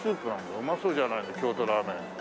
うまそうじゃないの京都ラーメン。